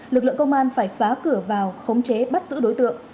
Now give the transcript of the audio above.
lực lượng công an phải phá cửa vào khống chế bắt giữ đối tượng